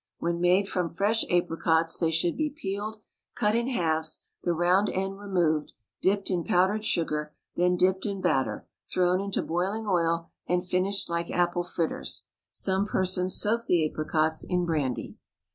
When made from fresh apricots they should be peeled, cut in halves, the round end removed, dipped in powdered sugar, then dipped in batter, thrown into boiling oil, and finished like apple fritters. Some persons soak the apricots in brandy.